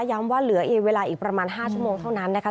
ว่าเหลือเวลาอีกประมาณ๕ชั่วโมงเท่านั้นนะคะ